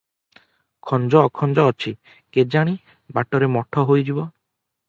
ଖଂଜ ଅଖଂଜ ଅଛି, କେଜାଣି ବାଟରେ ମଠ ହୋଇଯିବ ।